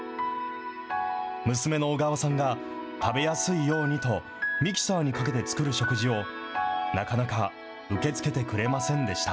娘の小川さんが食べやすいようにと、ミキサーにかけて作る食事をなかなか受け付けてくれませんでした。